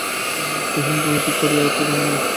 রমেশ কহিল, এখনো ঠিক করিয়া উঠিতে পারি নাই।